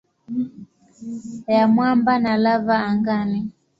ya mwamba na lava angani.